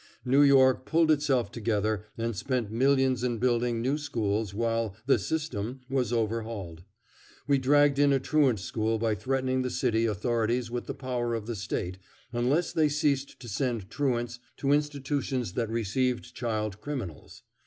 New York pulled itself together and spent millions in building new schools while "the system" was overhauled; we dragged in a truant school by threatening the city authorities with the power of the State unless they ceased to send truants to institutions that received child criminals.